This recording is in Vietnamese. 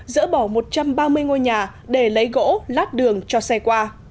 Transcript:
dỡ bỏ một trăm ba mươi ngôi nhà để lấy gỗ lát đường cho xe qua